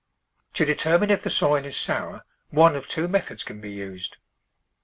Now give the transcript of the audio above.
To determine if the soil is sour, one of two methods can be used.